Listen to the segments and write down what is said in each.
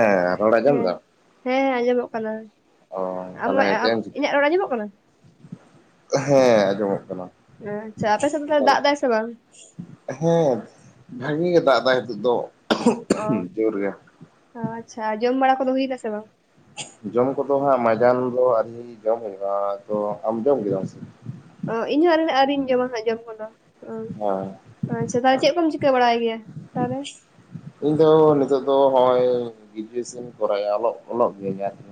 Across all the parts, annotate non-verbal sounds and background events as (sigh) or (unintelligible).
ᱦᱮᱸ ᱨᱚᱲ (inaudible) ᱟᱸᱡᱚᱢ ᱦᱮᱸ ᱫᱟᱢ ᱦᱮᱸ ᱟᱸᱡᱚᱢᱚᱜ ᱠᱟᱱᱟ᱾ ᱚ ᱛᱟᱦᱚᱞᱮ ᱟᱢᱟᱜ ᱮ ᱟ ᱪᱮᱫ ᱮᱢ ᱪᱤᱠᱟᱹ ᱤᱧᱟᱹᱜ ᱨᱚᱲᱟ ᱟᱸᱡᱚᱢᱚᱜ ᱠᱟᱱᱟ? ᱦᱮᱸ ᱟᱸᱡᱚᱢᱚᱜ ᱠᱟᱱᱟ᱾ ᱟᱪᱪᱷᱟ ᱟᱯᱮ ᱥᱮᱜ ᱫᱚ ᱛᱟ ᱛᱟᱦᱚᱞᱮ ᱫᱟᱜ ᱫᱟᱭ ᱥᱮ ᱵᱟᱝ? ᱦᱮᱸ ᱵᱷᱟᱜᱤ ᱜᱮ ᱫᱟᱜ ᱫᱟᱭ ᱦᱤᱛᱚᱜ ᱫᱚ ᱡᱳᱨ ᱜᱮ᱾ ᱚ ᱟᱪᱪᱷᱟ ᱡᱚᱢ ᱵᱟᱲᱟ ᱠᱚᱫᱚ ᱦᱩᱭᱱᱟ ᱥᱮ ᱵᱟᱝ? ᱡᱚᱢ ᱠᱚᱫᱚ ᱦᱟᱸᱜ ᱢᱟᱸᱡᱟᱱ ᱫᱚ ᱟᱹᱣᱨᱤ ᱡᱚᱢ ᱦᱩᱭᱩᱜᱼᱟ ᱟᱫᱚ ᱟᱢ ᱡᱚᱢ ᱠᱮᱫᱟᱢ ᱥᱮ? ᱚ ᱤᱧ ᱦᱚᱸ (inaudible) ᱟᱹᱣᱨᱤᱧ ᱡᱚᱢᱟ ᱦᱟᱸᱜ ᱡᱚᱢ ᱠᱚ ᱫᱚ᱾ ᱚ ᱦᱮᱸ ᱟᱪᱪᱷᱟ ᱛᱟᱦᱞᱮ ᱪᱮᱜ ᱠᱚᱢ ᱪᱤᱠᱟᱹ ᱵᱟᱲᱟᱭ ᱜᱮᱭᱟ ᱛᱟᱦᱞᱮ? ᱤᱧ ᱫᱚ ᱱᱤᱛᱚᱜ ᱫᱚ ᱦᱚᱸᱜᱼᱚᱭ ᱜᱮᱡᱩᱭᱮᱥᱚᱱ ᱠᱚᱨᱟᱣᱮᱜ-ᱟ ᱚᱞᱚᱜ ᱚᱞᱚᱜ ᱜᱮᱭᱟᱹᱧ ᱟᱨᱠᱤ᱾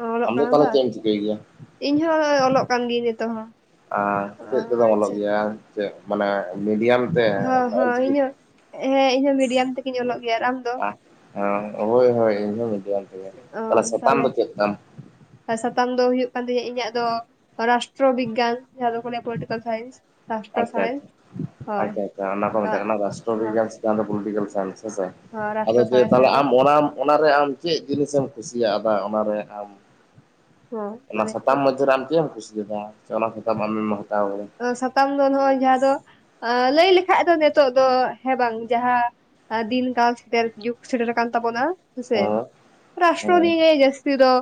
ᱚ ᱟᱢ ᱚᱞᱚᱜ ᱫᱚ ᱠᱟᱱᱟᱢ ᱛᱟᱦᱞᱮ ᱵᱟᱝ ᱪᱮᱜ ᱮᱢ ᱪᱤᱠᱟᱹᱭ ᱜᱮᱭᱟ? ᱤᱧ ᱦᱚᱸ ᱚᱞᱚᱜ ᱠᱟᱱ ᱜᱤᱭᱟᱹᱧ ᱱᱤᱛᱚᱜ ᱦᱚᱸ᱾ ᱟ ᱚ ᱪᱮᱫ ᱛᱮᱫᱚᱢ ᱚᱞᱚᱜ ᱟᱪᱪᱷᱟ ᱜᱮᱭᱟ ᱪᱮᱜ ᱢᱟᱱᱮ ᱢᱤᱰᱤᱭᱟᱢ? ᱛᱮ ᱦᱚᱸ ᱢᱟᱱᱮ ᱦᱚᱸ ᱚᱞᱪᱤᱠᱤ ᱤᱧ ᱛᱮ ᱦᱚᱸ ᱦᱮᱸ ᱤᱧᱦᱚᱸ ᱢᱤᱰᱤᱭᱟᱢ ᱛᱮᱜᱮᱧ ᱚᱞᱚᱜ ᱜᱮᱭᱟ᱾ ᱟᱨ ᱟᱢ ᱫᱚ? ᱮᱸ ᱦᱳᱭ ᱦᱳᱭ ᱤᱧ ᱦᱚ ᱢᱤᱰᱤᱭᱟᱢ ᱛᱮᱜᱮ ᱚ ᱛᱟᱦᱞᱮ ᱥᱟᱛᱟᱢ ᱛᱟᱦᱚᱞᱮ ᱫᱚ ᱪᱮᱫ ᱛᱟᱢ? ᱥᱟᱛᱟᱢ ᱫᱚ ᱦᱩᱭᱩᱜ ᱠᱟᱱ ᱛᱤᱧᱟᱹ ᱤᱧᱟᱹᱜ ᱫᱚ ᱨᱟᱥᱴᱨᱚ ᱵᱤᱜᱽᱜᱟᱱ᱾ ᱡᱟᱦᱟ ᱫᱚ ᱠᱚ ᱞᱟᱹᱭᱟ ᱯᱚᱞᱮᱴᱤᱠᱮᱞ ᱥᱟᱭᱮᱱᱥ ᱨᱟᱥᱴᱨᱚ ᱟᱪᱪᱷᱟ ᱟᱪᱪᱷᱟ ᱥᱟᱬᱮᱥ᱾ ᱟᱪᱪᱷᱟ ᱦᱳᱭ ᱟᱪᱪᱷᱟ ᱚᱱᱟ ᱠᱚ ᱢᱮᱛᱟᱜ ᱟᱨ ᱠᱟᱱᱟ ᱨᱟᱥᱴᱨᱚ ᱦᱚᱸ ᱵᱤᱜᱽᱜᱟᱱ ᱪᱟᱱ ᱫᱚ ᱯᱩᱞᱤᱴᱤᱠᱮᱞ ᱥᱟᱭᱮᱱᱥ ᱦᱮᱸᱥᱮ ᱦᱚᱸ ᱟᱫᱚ ᱨᱟᱥᱴᱨᱚ ᱡᱮ ᱥᱟᱬᱮᱥ ᱛᱟᱦᱞᱮ ᱡᱟᱦᱟᱸ ᱫᱚ ᱟᱢ ᱚᱱᱟᱢ ᱚᱱᱟᱨᱮ ᱟᱢ ᱪᱮᱫ ᱡᱤᱱᱤᱥ ᱮᱢ ᱠᱩᱥᱤᱭᱟᱜᱫᱟ ᱚᱱᱟᱨᱮ ᱟᱢ? ᱦᱚᱸ ᱚᱱᱟ ᱢᱟᱱᱮ ᱥᱟᱛᱟᱢ ᱪᱮᱫ ᱢᱚᱫᱽᱫᱷᱮᱨᱮ ᱟᱢ ᱪᱮᱫ ᱮᱢ ᱠᱩᱥᱤᱭᱟᱫᱟ (unintelligible) ᱚᱱᱟ ᱥᱟᱛᱟᱢ ᱟᱢᱮᱢ ᱦᱟᱛᱟᱣ ᱠᱟᱫᱟ? ᱛᱟᱢ ᱫᱚ ᱱᱚᱜᱚᱭ ᱡᱟᱦᱟᱸ ᱫᱚ ᱟᱸ ᱞᱟᱹᱭ ᱞᱮᱠᱷᱟᱡ ᱫᱚ ᱱᱤᱛᱳᱜ ᱫᱚ ᱦᱮᱸ ᱵᱟᱝ ᱡᱟᱦᱟᱸ ᱫᱤᱱ ᱠᱟᱞ ᱥᱮᱴᱮᱨ ᱡᱩᱜᱽ ᱥᱮᱴᱮᱨ ᱟᱠᱟᱱ ᱛᱟᱵᱚᱱ-ᱟ᱾ ᱦᱮᱸᱥᱮ ᱠᱟᱫᱟ ᱨᱟᱥᱴᱨᱚ ᱦᱮᱸ ᱦᱮᱸ ᱵᱤᱜᱟᱹ ᱡᱟᱹᱥᱛᱤ ᱫᱚ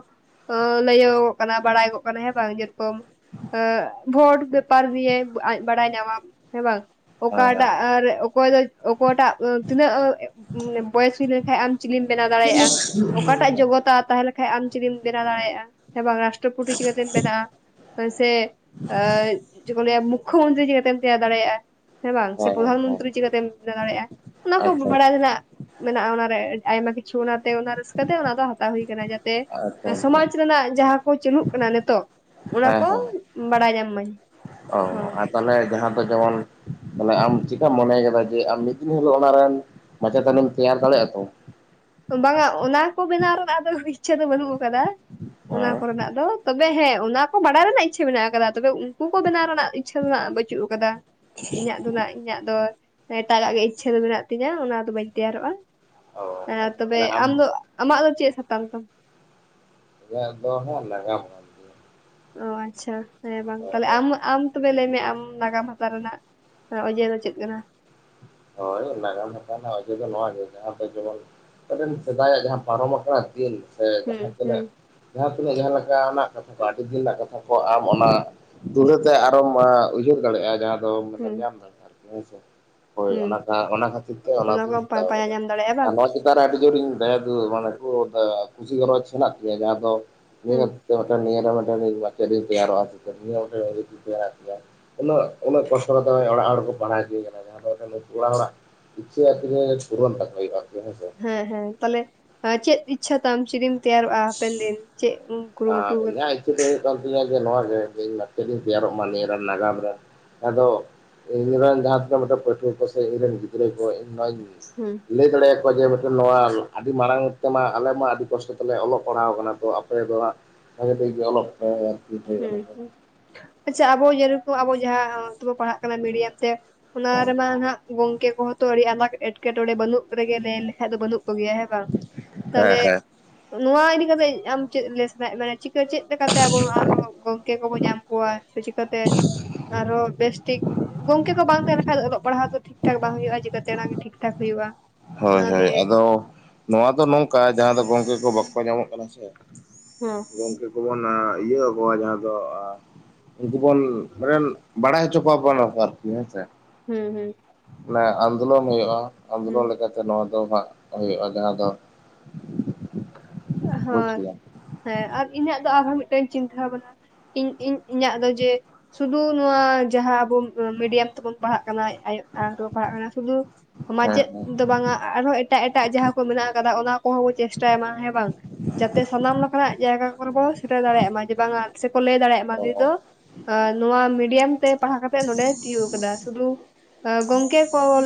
ᱦᱚᱸ ᱞᱟᱹᱭᱚᱜᱚᱜ ᱠᱟᱱᱟ ᱵᱟᱲᱟᱭ ᱜᱚᱜ ᱠᱟᱱᱟ ᱦᱮᱸ ᱵᱟᱝ ᱡᱚᱛᱢ ᱟᱸ ᱵᱷᱳᱴ ᱵᱮᱯᱟᱨ ᱱᱤᱭᱮ ᱟᱡ ᱵᱟᱲᱟᱭ ᱧᱟᱢᱟᱢ ᱦᱮᱸ ᱵᱟᱝ᱾ ᱦᱮᱸ ᱚᱠᱟᱴᱟᱜ ᱨᱮ ᱚᱠᱚᱭ ᱫᱚ ᱚᱠᱚᱭ ᱴᱟᱜ ᱛᱤᱱᱟᱹᱜ ᱵᱚᱭᱮᱥ ᱦᱩᱭ ᱞᱮᱱᱠᱷᱟᱡ ᱟᱢ ᱪᱤᱞᱤᱢ ᱵᱮᱱᱟᱣ ᱫᱟᱲᱮᱭᱟᱜ-ᱟ, ᱚᱠᱟᱴᱟᱜ ᱡᱚᱜᱚᱛᱟ ᱛᱟᱦᱮᱸ ᱞᱮ ᱠᱷᱟᱡ ᱟᱢ ᱪᱮᱫᱤᱢ ᱵᱮᱱᱟᱣ ᱫᱟᱲᱮᱭᱟᱜ-ᱟ ᱦᱮᱸ ᱵᱟᱝ ᱨᱟᱥᱴᱨᱚᱯᱩᱛᱴᱤ ᱪᱤᱠᱟᱹᱛᱮᱢ ᱵᱮᱱᱟᱜ-ᱟ? ᱥᱮ ᱪᱮᱫ ᱠᱚ ᱞᱟᱹᱭᱟ ᱢᱩᱠᱷᱚ ᱢᱚᱱᱛᱨᱤ ᱪᱤᱠᱟᱹᱛᱮᱢ ᱛᱮᱭᱟᱨ ᱫᱟᱲᱮᱭᱟᱜ-ᱟ? ᱦᱮᱸ ᱵᱟᱝ ᱥᱮ ᱦᱮᱸ ᱯᱨᱚᱫᱷᱟᱱ ᱦᱮᱸ ᱢᱚᱱᱛᱨᱤ ᱪᱤᱠᱟᱹᱛᱮᱢ ᱵᱮᱱᱟ ᱫᱟᱲᱮᱜ-ᱟ, ᱚᱱᱟ ᱠᱚ ᱟᱪᱪᱷᱟ ᱟᱪᱪᱷᱟ ᱵᱟᱲᱟᱭ ᱨᱮᱱᱟᱜ ᱢᱮᱱᱟᱜ-ᱟ ᱚᱱᱟᱨᱮ ᱟᱭᱢᱟ ᱠᱤᱪᱷᱩ ᱚᱱᱟᱛᱮ ᱚᱱᱟ ᱨᱟᱹᱥᱠᱟᱹ ᱛᱮ ᱚᱱᱟ ᱫᱚ ᱦᱟᱛᱟᱣ ᱦᱩᱭ ᱠᱟᱱᱟ, ᱡᱟ ᱛᱮ ᱟᱪᱪᱷᱟ ᱚᱱᱟ ᱥᱚᱢᱟᱡᱽ ᱟᱪᱪᱷᱟ ᱨᱮᱱᱟᱜ ᱡᱟᱦᱟᱸ ᱠᱚ ᱪᱟᱹᱞᱩᱜ ᱠᱟᱱᱟ ᱱᱤᱛᱳᱜ ᱚᱱᱟ ᱦᱮᱸ ᱠᱚ ᱵᱟᱲᱟᱭ ᱧᱟᱢ ᱢᱟᱹᱧ ᱚ ᱦᱚᱸ ᱛᱟᱞᱦᱮ ᱡᱟᱦᱟᱸ ᱫᱚ ᱡᱚᱢᱚᱱ ᱢᱟᱱᱮ ᱟᱢ ᱪᱤᱠᱟᱹᱢ ᱢᱚᱱᱮᱭ ᱠᱮᱫᱟ ᱡᱮ ᱟᱢ ᱢᱤᱫ ᱫᱤᱱ ᱦᱤᱞᱳᱜ ᱚᱱᱟ ᱨᱮᱱ ᱢᱟᱪᱮᱛᱟᱱᱤᱢ ᱛᱮᱭᱟᱨ ᱫᱟᱲᱮᱜ-ᱟ ᱛᱚ? ᱵᱟᱝᱟ ᱚᱱᱟ ᱠᱚ ᱵᱮᱱᱟᱣ ᱨᱮᱱᱟᱜ ᱫᱚ ᱤᱪᱪᱷᱟᱹ ᱫᱚ ᱵᱟᱹᱱᱩᱜ ᱠᱟᱫᱟ ᱚᱱᱟ ᱦᱮᱸ ᱠᱚᱨᱮᱱᱟᱜ ᱫᱚ᱾ ᱛᱚᱵᱮ ᱦᱮᱸ ᱚᱱᱟ ᱠᱚ ᱵᱟᱲᱟᱭ ᱨᱮᱱᱟᱜ ᱤᱪᱪᱷᱟᱹ ᱢᱮᱱᱟᱜ ᱠᱟᱫᱟ, ᱛᱚᱵᱮ ᱩᱝᱠᱩ ᱠᱚ ᱵᱮᱱᱟᱣ ᱨᱮᱱᱟᱜ ᱤᱪ ᱪᱷᱟᱹ ᱫᱚ ᱱᱟᱜ ᱵᱟᱹᱪᱩᱜ ᱠᱟᱫᱟ ᱤᱧᱟᱹᱜ ᱫᱚ ᱱᱟᱜ ᱤᱧᱟᱹᱜ ᱫᱚ ᱮᱴᱟᱜᱟᱜ ᱜᱮ ᱤᱪᱪᱷᱟᱹ ᱫᱚ ᱢᱮᱱᱟᱜ ᱛᱤᱧᱟᱹ, ᱚᱱᱟᱫᱚ ᱵᱟᱹᱧ ᱛᱮᱭᱟᱨᱚᱜ-ᱟ᱾ ᱚ ᱮᱻ ᱟᱪᱪᱷᱟ ᱛᱚᱵᱮ ᱛᱟᱦᱚᱞᱮ ᱟᱢ ᱫᱚ ᱟᱢᱟᱜ ᱫᱚ ᱪᱮᱫ ᱥᱟᱛᱟᱢ ᱛᱟᱢ? ᱤᱧᱟᱹᱜ ᱫᱚ ᱦᱟᱸᱜ ᱱᱟᱜᱟᱢ ᱠᱟᱱ ᱛᱤᱧᱟᱹ ᱚ ᱟᱪᱪᱷᱟ ᱦᱮᱸ ᱵᱟᱝ ᱦᱳᱭ ᱛᱟᱞᱦᱮ ᱟᱢ ᱟᱢ ᱛᱚᱵᱮ ᱞᱟᱹᱭ ᱢᱮ ᱟᱢ ᱱᱟᱜᱟᱢ ᱦᱟᱛᱟᱣ ᱨᱮᱱᱟᱜ ᱱᱟ ᱚᱡᱮ ᱫᱚ ᱪᱮᱫ ᱠᱟᱱᱟ? ᱦᱳᱭ ᱱᱟᱜᱟᱢ ᱦᱟᱛᱟᱣ ᱨᱮᱱᱟᱜ ᱚᱡᱮ ᱫᱚ ᱱᱚᱣᱟ ᱜᱮ ᱡᱟᱦᱟᱸ ᱛᱮ ᱡᱚᱢᱚᱱ (unintelligible) ᱥᱮᱫᱟᱭᱟᱜ ᱡᱟᱦᱟᱸ ᱯᱟᱨᱚᱢ ᱠᱟᱱᱟ (unintelligible) ᱥᱮ ᱦᱩᱸ ᱡᱟᱦᱟᱸ ᱦᱩᱸ ᱛᱤᱱᱟᱹᱜ ᱡᱟᱦᱟᱸ ᱛᱤᱱᱟᱹᱜ ᱡᱟᱦᱟᱸ ᱞᱮᱠᱟᱱᱟᱜ ᱠᱟᱛᱷᱟ ᱠᱚ ᱟᱰᱤᱫᱤᱱ ᱨᱮᱱᱟᱜ ᱠᱟᱛᱷᱟ ᱠᱚ ᱟᱢ ᱚᱱᱟ ᱫᱩᱲᱦᱟᱹᱛᱮ ᱟᱨᱚᱢ ᱩᱭᱦᱟᱹᱨ ᱫᱟᱲᱮᱜ-ᱟ ᱡᱟᱦᱟᱸ ᱫᱚ ᱢᱟᱱᱮᱢ ᱦᱩᱸ ᱧᱟᱢ ᱫᱟᱲᱮᱜᱼᱟ ᱟᱨᱠᱤ ᱦᱮᱸᱥᱮ᱾ ᱦᱳᱭ ᱦᱩᱸ ᱚᱱᱟ ᱠᱷᱟ ᱚᱱᱟ ᱠᱷᱟᱹᱛᱤᱨ ᱛᱮ ᱚᱱᱟ ᱫᱩᱧ ᱠᱚᱢ ᱦᱟᱛᱟᱣ ᱯᱟᱸᱡᱟ ᱠᱟᱫᱟ, ᱧᱟᱢ ᱫᱟᱲᱮᱭᱟᱜᱼᱟ ᱵᱟᱝ (unintelligible) ᱛᱟ ᱨᱮ ᱟᱹᱰᱤ ᱡᱳᱨᱤᱧ ᱫᱟᱭᱟ ᱫᱩᱞᱟᱸᱲ ᱢᱟᱱᱮ (unintelligible) ᱠᱩᱥᱤ ᱜᱚᱨᱚᱡᱽ ᱦᱮᱱᱟᱜ ᱛᱤᱧᱟᱹ ᱡᱟᱦᱟᱸ ᱫᱚ ᱦᱩᱸ (unintelligible) ᱠᱟᱹ ᱢᱮᱫᱴᱮᱱ ᱱᱤᱭᱟᱹ ᱨᱮ ᱢᱤᱫᱴᱮᱱ ᱢᱟᱪᱮᱛ ᱤᱧ ᱛᱳᱭᱟᱨᱚᱜ-ᱟ (unintelligible) ᱩᱱᱟᱹᱜ ᱩᱱᱟᱹᱜ ᱠᱚᱥᱴᱚ ᱠᱟᱛᱮᱫ ᱦᱚᱸᱜᱚᱭ ᱚᱲᱟᱜ ᱦᱚᱲ ᱠᱚ ᱯᱟᱲᱦᱟᱣ ᱦᱚᱪᱚᱧ ᱠᱟᱱᱟ, ᱡᱟᱦᱟᱸ ᱫᱚ (unintelligible) ᱚᱲᱟᱜ ᱦᱚᱲᱟᱜ ᱤᱪᱪᱷᱟᱹ (unintelligible) ᱯᱩᱨᱚᱱ ᱛᱟᱠᱚ ᱦᱳᱭᱳᱜ-ᱟ ᱟᱨᱠᱤ ᱦᱮᱸᱥᱮ᱾ ᱦᱮᱸ ᱦᱮᱸ ᱛᱟᱞᱦᱮ ᱪᱮᱫ ᱤᱪᱪᱷᱟᱹ ᱛᱟᱢ ᱪᱤᱞᱤᱢ ᱛᱮᱭᱟᱨᱚᱜ-ᱟ ᱦᱟᱯᱮᱱ ᱫᱤᱱ ᱪᱮᱫ ᱟᱸ ᱠᱩᱨᱩᱢᱩᱴᱩ ᱟᱠᱟᱫᱟ ᱤᱧᱟᱜ ᱤᱪᱪᱷᱟᱹ ᱫᱚ ᱦᱩᱭᱩᱜ ᱠᱟᱱ ᱛᱤᱧᱟᱹ ᱡᱮ ᱱᱚᱣᱟ ᱜᱮ ᱡᱮ ᱤᱧ ᱢᱟᱪᱮᱛ ᱤᱧ ᱛᱮᱭᱟᱨᱚᱜ ᱢᱟ ᱱᱤᱭᱟᱹ ᱨᱮᱱ ᱱᱟᱜᱟᱢ ᱨᱮᱱ᱾ ᱟᱫᱚ ᱤᱧ ᱨᱮᱱ ᱡᱟᱦᱟᱸ ᱛᱤᱱᱟᱹᱜ ᱢᱮᱜᱴᱮᱱ ᱯᱟᱹᱴᱷᱩᱣᱟᱹ ᱠᱚ ᱥᱮ ᱤᱧ ᱨᱮᱱ ᱜᱤᱫᱽᱨᱟᱹ ᱠᱚ ᱤᱧ ᱱᱚᱣᱟᱧ ᱦᱩᱸ᱾ ᱞᱟᱹᱭ ᱫᱟᱲᱮ ᱟᱠᱚᱣᱟ ᱡᱮ ᱢᱤᱫᱴᱮᱱ ᱱᱚᱣᱟ ᱟᱰᱤ ᱢᱟᱬᱟᱝ ᱛᱮᱢᱟ ᱟᱞᱮ ᱢᱟ ᱟᱰᱤ ᱠᱚᱥᱴᱚ ᱛᱮᱞᱮ ᱚᱞᱚᱜ ᱯᱟᱲᱦᱟᱣ ᱠᱟᱱᱟ, ᱛᱚ ᱟᱯᱮ ᱫᱚ ᱦᱟᱸᱜᱼᱼ ᱵᱷᱟᱜᱮ ᱴᱷᱤᱠ‌ ᱜᱮ ᱚᱞᱚᱜ ᱯᱮ᱾ ᱚᱱᱟ ᱦᱩᱸ ᱫᱚ ᱦᱩᱸ ᱟᱪᱪᱷᱟ ᱟᱵᱚ ᱡᱮ ᱨᱚᱠᱚᱢ ᱟᱵᱚ ᱡᱟᱦᱟᱸ ᱚᱻ ᱛᱮᱵᱚ ᱯᱟᱲᱦᱟᱜ ᱠᱟᱱᱟ ᱢᱤᱰᱤᱭᱟᱢ ᱛᱮᱼᱼ ᱚᱱᱟ ᱨᱮᱢᱟ ᱱᱟᱦᱟᱸᱜ ᱜᱚᱝᱠᱮ ᱠᱚᱦᱚᱸ‌ ᱛᱚ ᱟᱹᱰᱤ ᱟᱭᱢᱟ ᱮᱴᱠᱮᱴᱚᱬᱮ ᱵᱟᱹᱱᱩᱜ ᱨᱮᱜᱮ ᱞᱟᱹᱭ ᱞᱮᱠᱷᱟᱡ ᱫᱚ ᱵᱟᱹᱱᱩᱜ ᱠᱚ ᱜᱮᱭᱟ, ‌ᱦᱮ ᱵᱟᱝ ᱦᱮᱸ ᱛᱟᱞᱦᱮ ᱦᱮᱸ ᱱᱚᱣᱟ ᱤᱫᱤ ᱠᱟᱛᱮᱜ ᱟᱢ ᱪᱮᱫ ᱞᱮ ᱥᱟᱱᱟᱭᱮᱜ (unintelligible) ᱪᱤᱠᱟᱹ ᱪᱮᱫ ᱞᱮᱠᱟ ᱛᱮ ᱟᱵᱚ (unintelligible) ᱫᱚᱼᱼ ᱜᱚᱝᱠᱮ ᱠᱚᱵᱚ ᱧᱟᱢ ᱠᱚᱣᱟ ᱥᱮ ᱪᱤᱠᱟᱹ ᱛᱮ ᱟᱨ ᱦᱚᱸ ᱵᱮᱥ ᱴᱷᱤᱠ ᱜᱚᱝᱠᱮ ᱠᱚ ᱵᱟᱝ ᱛᱮᱦᱮᱸᱫᱚ ᱟᱫᱚᱼᱼ ᱚᱞᱚᱜ ᱯᱟᱲᱦᱟᱜ ᱫᱚ ᱴᱷᱤᱠ ᱴᱷᱟᱠ ᱵᱟᱝ ᱦᱩᱭᱩᱜ-ᱟ ᱪᱤᱠᱟᱹ ᱛᱮ ᱚᱱᱟ ᱜᱮ ᱴᱷᱤᱠ ᱴᱷᱟᱠ ᱦᱩᱭᱩᱜ-ᱟ᱾ ᱦᱳᱭ ᱚᱱᱟ ᱦᱳᱭ ᱱᱤᱭᱮᱼᱼ ᱟᱫᱚ ᱱᱚᱣᱟ ᱫᱚ ᱱᱚᱝᱠᱟ ᱡᱟᱦᱟᱸ ᱫᱚ ᱜᱚᱝᱠᱮ ᱠᱚ ᱵᱟᱠᱚ ᱧᱟᱢᱚᱜ ᱠᱟᱱᱟ ᱥᱮᱼᱼ ᱦᱮᱸ᱾ ᱜᱚᱝᱠᱮ ᱠᱚᱵᱚᱱ ᱟ ᱤᱭᱟᱹᱣ ᱠᱚᱣᱟ ᱡᱟᱦᱟᱸ ᱫᱚ, ᱟ ᱡᱩᱫᱤ ᱵᱚᱱ ᱢᱟᱱᱮᱼᱼ ᱵᱟᱲᱟᱭ ᱦᱚᱪᱚ ᱠᱚᱣᱟ ᱵᱚ ᱚᱱᱟ ᱠᱚ ᱟᱨᱠᱤ ᱦᱮᱸ ᱥᱮ᱾ ᱦᱩᱸ ᱦᱩᱸ᱾ ᱢᱟᱱᱮ ᱟᱱᱫᱳᱞᱚᱱ ᱦᱩᱭᱩᱜ-ᱟ᱾ ᱦᱩᱸ ᱟᱱᱫᱳᱞᱚᱱ ᱞᱮᱠᱟ ᱛᱮᱼᱼ ᱛᱮ ᱱᱚᱣᱟ ᱫᱚ ᱦᱟᱸᱜ ᱦᱩᱭᱩᱜ-ᱟ᱾ ᱡᱟᱦᱟᱸ ᱫᱚᱼᱼ ᱦᱚᱭ ᱦᱮᱸ ᱟᱨ ᱤᱧᱟᱹᱜ ᱫᱚ ᱟᱨᱦᱚᱸ ᱢᱤᱫᱴᱟᱹᱝ ᱪᱤᱱᱛᱟᱹ ᱵᱷᱟᱵᱽᱱᱟᱼᱼ ᱤᱧ ᱤᱧ ᱤᱧᱟᱜ ᱫᱚ ᱡᱮᱼᱼ ᱥᱩᱫᱩ ᱱᱚᱣᱟ ᱡᱟᱦᱟᱸ ᱟᱵᱚ ᱩᱸ ᱢᱤᱰᱤᱭᱟᱢ ᱛᱮᱵᱚᱱ ᱯᱟᱲᱦᱟᱜ ᱠᱟᱱᱟ᱾ ᱟᱭᱳᱜᱼᱼ ᱟᱨ ᱠᱚ ᱯᱟᱲᱦᱟᱜ ᱠᱟᱱᱟ ᱥᱩᱫᱩ ᱦᱮᱸ ᱢᱟᱪᱮᱜ ᱦᱮᱸ ᱫᱚ ᱵᱟᱝᱟ ᱟᱨ ᱦᱚᱸ ᱮᱼᱼ ᱴᱟᱜ ᱮᱴᱟᱜ ᱡᱟᱦᱟᱸ ᱠᱚ ᱢᱮᱱᱟᱜ ᱟᱠᱟᱫᱟ ᱚᱱᱟ ᱠᱚᱦᱚᱸ ᱵᱚᱱ ᱪᱮᱥᱴᱟᱭ ᱢᱟ ᱦᱮᱸ ᱵᱟᱝ᱾ ᱡᱟᱛᱮ ᱥᱟᱱᱟᱢ ᱞᱮᱠᱟ ᱱᱟᱜ ᱡᱟᱭᱜᱟ ᱠᱚᱨᱮ ᱵᱚᱱ ᱥᱮᱴᱮᱨ ᱫᱟᱲᱮᱭᱟᱜ ᱢᱟ ᱡᱮ ᱵᱟᱝᱟ ᱟᱨ ᱥᱮ ᱠᱚ ᱞᱟᱹᱭ ᱫᱟᱲᱮᱭᱟᱜ ᱢᱟ ᱱᱩᱭ ᱫᱚᱼᱼ ᱚ ᱟ ᱱᱚᱣᱟ ᱢᱤᱰᱤᱭᱟᱢ ᱛᱮ ᱯᱟᱲᱦᱟᱣ ᱠᱟᱛᱮᱜ ᱱᱚᱸᱰᱮ ᱛᱤᱭᱩᱜ ᱟᱠᱟᱫᱟ ᱥᱩᱫᱩᱼᱼ ᱜᱚᱝᱠᱮ ᱠᱚᱞᱼᱼ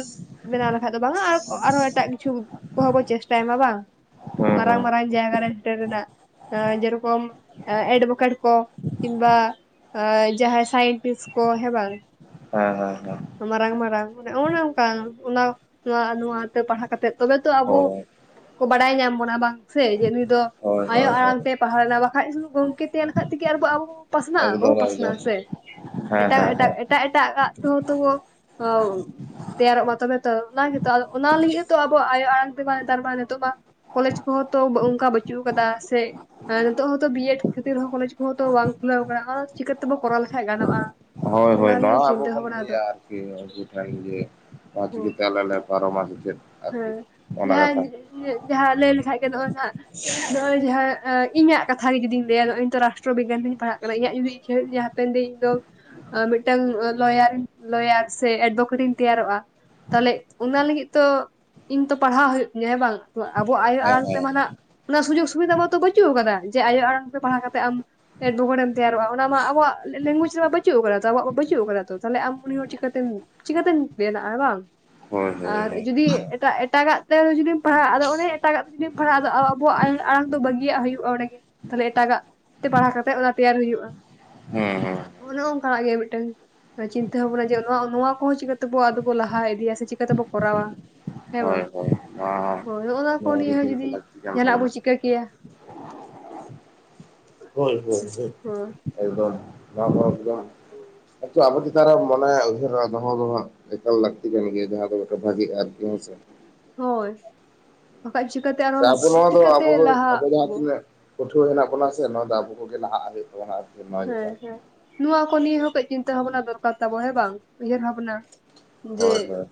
ᱵᱮᱱᱟᱣ ᱞᱮᱠᱷᱟᱡ ᱫᱚ ᱵᱟᱝᱼᱟ, ᱟᱨ‌ ᱚ ᱟᱨᱦᱚᱸ ᱮᱴᱟᱜ ᱠᱤᱪᱷᱩ ᱠᱚᱦᱚᱸ ᱵᱚ ᱪᱮᱥᱴᱟᱭ ᱢᱟ ᱵᱟᱝ᱾ ᱦᱩᱸ ᱢᱟᱨᱟᱝ‌ ᱦᱩᱸ ᱢᱟᱨᱟᱝ ᱡᱟᱭᱜᱟ ᱥᱮᱴᱮᱨ ᱨᱮᱱᱟᱜ᱾ ᱮᱸ ᱡᱮᱭ ᱨᱚᱠᱚᱢ ᱮᱰᱵᱚᱠᱮᱴ ᱠᱚ ᱠᱤᱝᱵᱟᱼᱼ ᱟᱸ ᱡᱟᱦᱟᱸᱭ ᱥᱟᱭᱮᱱᱴᱤᱥ ᱠᱚ ᱦᱮᱸ ᱵᱟᱝ᱾ ᱦᱮᱸ ᱦᱮᱸ ᱦᱮᱸ᱾ ᱢᱟᱨᱟᱝ ᱢᱟᱨᱟᱝ ᱚᱱᱮ ᱚᱱᱠᱟ ᱚᱱᱟ ᱱᱚᱶᱟ ᱱᱚᱣᱟ ᱛᱮ ᱯᱟᱲᱦᱟᱣ ᱠᱟᱛᱮᱜ ᱛᱚᱵᱮ ᱛᱚ ᱚ ᱟᱵᱳᱼᱼ ᱠᱚ ᱵᱟᱲᱟᱭ ᱧᱟᱢ ᱵᱚᱱᱟ ᱵᱟᱝ ᱥᱮ ᱡᱮ ᱱᱩᱭ ᱫᱚᱼᱼ ᱦᱳᱭ ᱟᱭᱳ ᱦᱳᱭ ᱦᱳᱭ ᱟᱲᱟᱝ ᱛᱮᱭ ᱯᱟᱲᱟᱣ ᱮᱱᱟ ᱵᱟᱠᱷᱟᱡ ᱥᱩᱫᱩ ᱜᱚᱝᱠᱮ ᱛᱮᱦᱮᱱ ᱠᱷᱟᱡ ᱛᱤᱜᱤ ᱟᱨ ᱵᱚ ᱟᱵᱚᱼᱼ ᱯᱟᱥᱱᱟᱜ-ᱟ᱾ ᱥᱮ ᱵᱟᱵᱩ ᱮᱠᱫᱚᱢ ᱮᱠᱫᱚᱢ ᱯᱟᱥᱱᱟᱜ-ᱟ ᱥᱮ᱾ ᱦᱮᱸ ᱮᱴᱟᱜ ᱦᱮᱸ ᱦᱮᱸ᱾ ᱮᱴᱟᱜ ᱮᱴᱟᱜ ᱟᱜ ᱛᱮᱦᱚᱸ ᱛᱚ ᱵᱚ ᱚᱣᱵᱼᱼ ᱛᱮᱭᱟᱨᱚᱜ ᱢᱟ ᱛᱚᱵᱮ ᱛᱚ ᱚᱱᱟ ᱜᱮᱛᱚ ᱚᱱᱟ ᱞᱟᱹᱜᱤᱫ ᱦᱚᱸ ᱛᱚ ᱟᱵᱚ ᱟᱭᱳ ᱟᱲᱟᱝ ᱛᱮᱢᱟ ᱱᱮᱛᱟᱨ ᱢᱟ ᱱᱤᱛᱚᱜ ᱢᱟᱼᱼ ᱠᱚᱞᱮᱪ ᱠᱚᱦᱚᱸ ᱛᱚ ᱵᱚ ᱚᱝᱠᱟ ᱵᱟᱹᱪᱩᱜ ᱟᱠᱟᱫᱟ ᱥᱮᱼᱼ ᱟᱨ ᱱᱤᱛᱚᱜ ᱦᱚᱸ ᱛᱚ ᱵᱤᱭᱮᱰ ᱠᱷᱟᱹᱛᱤᱨ ᱠᱚᱞᱮᱡᱽ ᱠᱚᱦᱚᱸ ᱛᱚ ᱵᱟᱝ ᱠᱷᱩᱞᱟᱹᱣ ᱠᱟᱱᱟ, ᱪᱤᱠᱟᱹ ᱛᱮᱵᱚ ᱠᱚᱨᱟᱣ ᱞᱮᱠᱷᱟᱡ ᱜᱟᱱᱚᱜ-ᱟ᱾ ᱦᱳᱭ ᱦᱳᱭ ᱱᱚᱣᱟ ᱟᱵᱳ ᱵᱚᱱ ᱞᱟᱹᱭᱟ ᱟᱨ ᱠᱤ ᱟᱹᱵᱩ ᱼᱼ ᱛᱟᱦᱮᱱ ᱜᱮ ᱛᱚ ᱪᱤᱠᱟ‌ᱹ ᱦᱮᱸ ᱛᱮ ᱟᱞᱮ ‌ᱞᱮ ᱯᱟᱨᱚᱢᱟ ᱥᱮᱪᱮᱫ᱾ ᱦᱮᱸ ᱡᱟᱦᱟᱸᱭ ᱮ ᱡᱟᱦᱟᱸ ᱞᱟᱹᱭ ᱞᱮᱠᱷᱟᱡ ᱜᱮ ᱱᱚᱜ-ᱚᱭ ᱱᱟᱦᱟᱸᱜ ᱱᱚᱜ-ᱚᱭ ᱡᱟᱦᱟᱸᱼᱼ ᱟ‌ ᱤᱧᱟᱜ ᱠᱟᱛᱷᱟ ᱜᱮ ᱡᱩᱫᱤᱧ ᱞᱟᱹᱭᱟ ᱱᱚᱜ-ᱚᱭ ᱨᱟᱥᱴᱨᱚ ᱵᱤᱜᱽᱜᱟᱱ ᱛᱤᱧ ᱯᱟᱲᱦᱟᱜ ᱠᱟᱱᱟ᱾ ᱤᱧᱟᱜ ᱡᱩᱫᱤ‌ ᱤᱪᱪᱷᱟᱸ ᱦᱩᱭᱩᱜ ᱛᱤᱧᱟ ᱾ ᱦᱟᱯᱮᱱ ᱫᱟᱹᱧ ᱤᱧ ᱫᱚ ᱚ ᱢᱤᱫᱴᱟᱝ ᱚ ᱼᱼ ᱞᱚᱭᱟᱨᱤᱧ ᱞᱚᱭᱟᱨ ᱥᱮ ᱮᱰᱵᱚᱠᱮᱴ ᱤᱧ ᱛᱮᱭᱟᱨᱚᱜ-ᱟ ᱛᱟᱦᱞᱮ ᱚᱱᱟ ᱞᱤᱹᱜᱤᱫ ᱛᱚᱼᱼ ᱤᱧ ᱛᱚ ᱯᱟᱲᱦᱟᱣ ᱦᱩᱭᱩᱜ ᱛᱤᱧᱟ ᱦᱮᱸ ᱵᱟᱝ ᱟᱵᱚ ᱣᱟᱜ ᱟᱭᱳ ᱦᱮᱸ ᱟᱲᱟᱝ ᱦᱮᱸ ᱛᱮᱢᱟ ᱱᱟᱦᱟᱸᱜᱼᱼ ᱚᱱᱟ ᱥᱩᱡᱳᱜᱽ ᱥᱩᱵᱤᱫᱟ ᱢᱟᱛᱚ ᱵᱟᱹᱪᱩᱜ ᱟᱠᱟᱫᱟ ᱡᱮ ᱟᱭᱳ ᱟᱲᱟᱝ ᱛᱮ ᱯᱟᱲᱦᱟᱣ ᱠᱟᱛᱮᱜ ᱟᱢᱼᱼ ᱮᱰᱵᱚᱠᱮᱴ ᱮᱢ‌ ᱛᱮᱭᱟᱨᱚᱜ-ᱟ᱾ ᱚᱱᱟ ᱢᱟ ᱟᱵᱚ ᱣᱟᱜ ᱞᱮᱝᱜᱽᱣᱮᱪ ᱨᱮᱢᱟ ᱵᱟᱹᱪᱩᱜ ᱠᱟᱫᱟ᱾ ᱛᱚ ᱟᱵᱚᱣᱟᱜ ᱢᱟ ᱵᱟᱹᱪᱩᱜ ᱟᱠᱟᱫᱟ ᱛᱚ ᱛᱟᱦᱚᱞᱮ ᱟᱢ ᱩᱱᱤ ᱦᱚᱲ ᱪᱤᱠᱟᱹ ᱛᱮᱢ ᱪᱤᱠᱟᱹ ᱛᱮᱭ ᱵᱮᱱᱟᱜ-ᱟᱭ ᱵᱟᱝ᱾ ᱦᱳᱭ ᱦᱳᱭ ᱟᱨ ᱦᱳᱭ ᱡᱩᱫᱤ ᱮᱴᱟᱜ ᱮᱴᱟᱜᱟᱜ ᱛᱮ ᱡᱩᱫᱤ ᱯᱟᱲᱦᱟᱜ ᱟᱫᱚ ᱚᱱᱮ ᱮᱴᱟᱜ ᱛᱮ ᱡᱩᱫᱤᱢ ᱯᱟᱲᱦᱟᱜᱼᱟ᱾ ᱟᱫᱚ ᱟᱵᱚᱣᱟᱜ ᱟᱲᱟᱝ ᱫᱚ ᱵᱟᱹᱜᱤᱭᱟᱜ ᱦᱩᱭᱩᱜᱼᱟ᱾ ᱚᱸᱰᱮᱜᱮ ᱛᱟᱦᱚᱞᱮ ᱮᱴᱟᱜᱟᱜ ᱯᱟᱲᱦᱟᱣ ᱠᱟᱛᱮᱫ ᱚᱱᱟ ᱛᱮᱭᱟᱨ ᱦᱩᱭᱩᱜᱼᱟ ᱦᱮᱸ ᱦᱮᱸ ᱦᱟᱜ ᱜᱮ ᱢᱤᱫᱴᱟᱝ ᱪᱤᱱᱛᱟᱹ ᱵᱷᱟᱵᱱᱟ ᱡᱮ ᱱᱚᱣᱟ ᱱᱚᱣᱟ ᱠᱚᱦᱚᱸ ᱪᱤᱠᱟᱹᱛᱮᱵᱚ ᱟᱫᱚ ᱵᱚ ᱞᱟᱦᱟ ᱤᱫᱤᱭᱟ? ᱪᱤᱠᱟᱹ ᱛᱮᱵᱚ ᱠᱚᱨᱟᱣᱟ? ᱦᱮᱸ ᱦᱳᱭ ᱵᱟᱝ ᱦᱳᱭ ᱱᱚᱣᱟ ᱦᱚᱸ ᱦᱳᱭ ᱱᱚᱜ-ᱱᱟ ᱠᱚ ᱱᱚᱣᱟ ᱜᱮ ᱱᱤᱭᱟᱹ ᱦᱚᱸ ᱪᱤᱱᱛᱟᱹ ᱡᱩᱫᱤ ᱞᱟᱹᱠᱛᱤ ᱠᱟᱱ ᱡᱟᱦᱟᱱᱟᱜ ᱵᱚ ᱛᱟᱵᱚᱱᱟ ᱪᱤᱠᱟᱹ ᱠᱮᱭᱟ (unintelligible) ᱦᱳᱭ ᱦᱳᱭ ᱦᱳᱭ ᱮᱫᱚᱢ ᱵᱟᱝ (unintelligible) ᱫᱚᱢ ᱟᱪᱪᱷᱟ ᱟᱵᱚ ᱪᱮᱛᱟᱱ ᱨᱮ ᱢᱚᱱᱮ ᱩᱭᱦᱟᱹᱨ ᱫᱚᱦᱚ ᱫᱚ ᱦᱟᱸᱜ ᱮᱠᱟᱞ ᱞᱟᱹᱠᱛᱤ ᱠᱟᱱ ᱜᱮᱭᱟ ᱡᱟᱦᱟᱸ ᱫᱚ ᱢᱮᱫᱴᱮᱱ ᱵᱷᱟᱜᱤ ᱟᱨ ᱦᱮᱸᱥᱮ ᱾ ᱦᱳᱭ ᱵᱟᱠᱷᱟᱡ ᱪᱤᱠᱟᱹᱛᱮ ᱥᱮ ᱟᱨᱦᱚᱸ ᱟᱵᱚ ᱪᱤᱠᱟᱛᱮ ᱞᱟᱦᱟᱜ ᱟᱵᱚ? ᱯᱟᱹᱴᱷᱩᱭᱟᱹ ᱦᱮᱱᱟᱜ ᱵᱚᱱᱟ ᱥᱮ ᱱᱚᱣᱟ ᱫᱚ ᱟᱵᱚ ᱠᱚᱜᱮ ᱞᱟᱦᱟᱜ ᱦᱩᱭᱩᱜ ᱛᱟᱵᱚᱱᱟ ᱟᱨ ᱦᱮᱸ ᱦᱮᱸ ᱱᱚᱣᱟ ᱠᱚ ᱱᱤᱭᱟᱹ ᱦᱚᱸ ᱠᱟᱹᱡ ᱪᱤᱱᱛᱟᱹ ᱵᱷᱟᱵᱱᱟ ᱫᱚᱨᱠᱟᱨ ᱛᱟᱵᱚ ᱦᱮᱸ ᱵᱟᱝ ᱩᱭᱦᱟᱹᱨ ᱵᱷᱟᱵᱱᱟ? ᱡᱮ ᱪᱮᱛᱟᱱ ᱦᱳᱭ